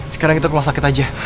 sekarang kita keluar sakit aja